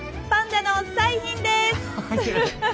パンダの彩浜です！